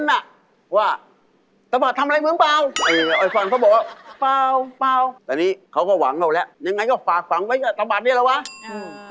ชิคกี้พายไม่เอาหรอกอ่ะมาอีกวันนึงก็เรียบอีก